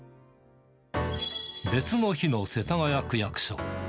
別の日の世田谷区役所。